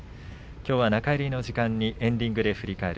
きょうは中入りの時間にエンディングで振り返る